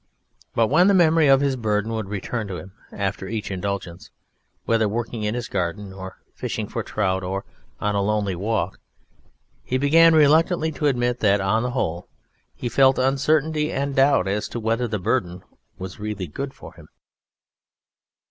But when the memory of his Burden would return to him after each indulgence, whether working in his garden, or fishing for trout, or on a lonely walk, he began reluctantly to admit that, on the whole, he felt uncertainty and doubt as to whether the Burden was really good for him.